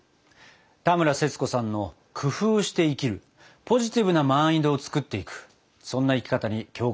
田村セツコさんの工夫して生きるポジティブなマインドをつくっていくそんな生き方に共感しました。